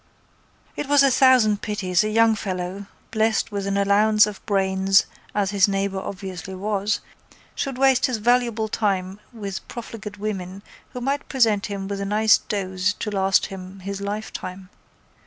It was a thousand pities a young fellow, blessed with an allowance of brains as his neighbour obviously was, should waste his valuable time with profligate women who might present him with a nice dose to last him his lifetime.